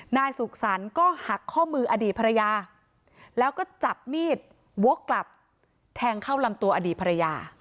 นายสุขสรรค์ก็หักข้อมืออดีตภรรยาแล้วก็จับมีดวกกลับแทงเข้าลำตัวอดีตภรรยา